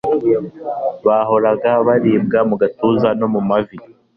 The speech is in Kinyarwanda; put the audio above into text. bagahora baribwa mugatuza no mumavi